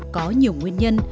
có nhiều nguyên nhân